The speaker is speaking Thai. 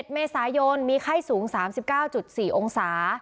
๑เมษายนมีไข้สูง๓๙๔องศา